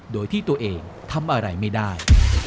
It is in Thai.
โดยที่ตัวเองทำอะไรไม่ได้